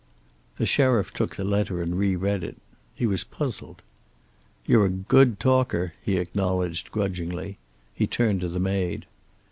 The sheriff took the letter and reread it. He was puzzled. "You're a good talker," he acknowledged grudgingly. He turned to the maid.